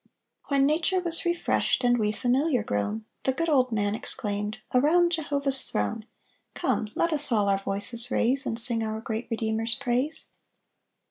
When nature was refreshed, And we familiar grown; The good old man exclaimed, "Around Jehovah's throne, Come, let us all Our voices raise, And sing our great Redeemer's praise!"